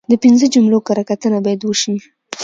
د پنځه جملې کره کتنه باید وشي.